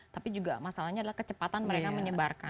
tapi juga masalahnya adalah kecepatan mereka menyebarkan